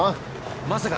まさか。